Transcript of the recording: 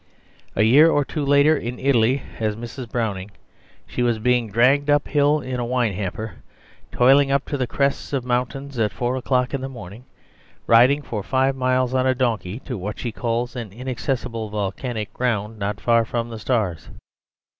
A year or two later, in Italy, as Mrs. Browning, she was being dragged up hill in a wine hamper, toiling up to the crests of mountains at four o'clock in the morning, riding for five miles on a donkey to what she calls "an inaccessible volcanic ground not far from the stars."